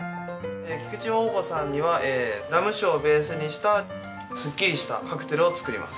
菊池桃子さんにはラム酒をベースにしたすっきりしたカクテルを作ります。